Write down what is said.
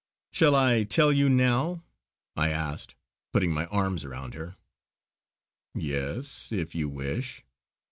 "Shall I tell you now?" I asked putting my arms round her. "Yes! if you wish."